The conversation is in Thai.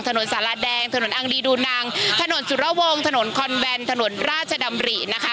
ถนนสาราแดงถนนอังดีดูนังถนนสุรวงถนนคอนแบนถนนราชดำรินะคะ